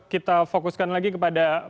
kita fokuskan lagi kepada